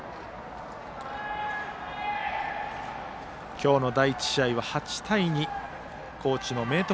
今日の第１試合は８対２高知の明徳